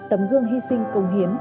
tấm gương hy sinh công hiến